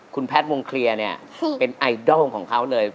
คุณแพทย์วงเคลียร์เนี่ยเป็นไอดอลของเขาเลย